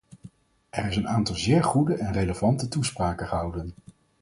Er is een aantal zeer goede en relevante toespraken gehouden.